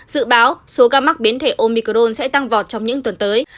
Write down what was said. dự báo số ca mắc biến thể omicron sẽ tăng vọt trong những tuần tới